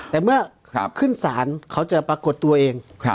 แต่เมื่อขึ้นศาลเขาจะปรากฏตัวเอง